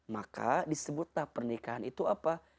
maka disebutlah pernikahan itu apa